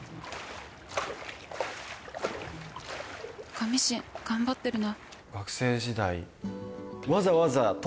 カミシン頑張ってるな。